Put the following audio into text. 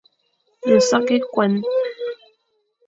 Nsak ekuan.